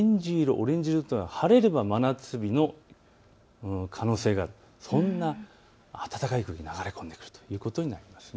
オレンジ色というのは晴れれば真夏日の可能性があるそんな暖かい空気が流れ込んでくるということになります。